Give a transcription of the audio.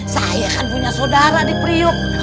saya kan punya saudara di priuk